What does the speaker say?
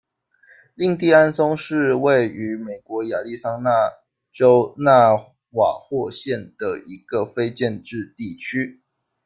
印第安松是位于美国亚利桑那州纳瓦霍县的一个非建制地区。